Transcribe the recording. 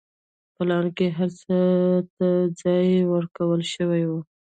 پلان کې هر څه ته ځای ورکړل شوی و.